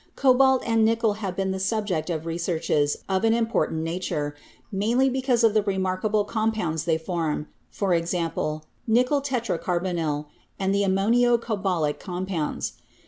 Cobalt and nickel have been the subject of researches of an important nature, mainly because of the remarkable compounds they form — e.g., nickel tetra carbonyl and the ammonio cobaltic com pounds.